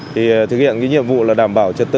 thì thực hiện cái nhiệm vụ là đảm bảo trật tự